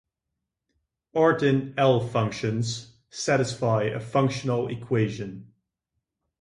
Artin L-functions satisfy a functional equation.